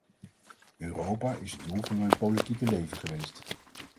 Europa is het doel van mijn politieke leven geweest.